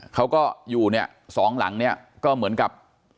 เขาก็อยู่เนี่ยสองหลังเนี่ยก็เหมือนกับ